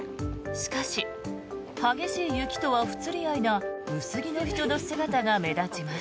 しかし、激しい雪とは不釣り合いな薄着の人の姿が目立ちます。